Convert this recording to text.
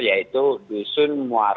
yaitu dusun muat